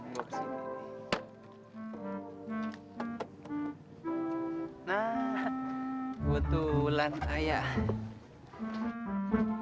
nah butulan ayah